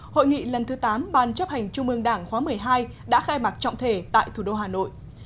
hội nghị lần thứ tám ban chấp hành trung ương đảng khóa một mươi hai đã khai mạc trọng thể tại thủ đô hà nội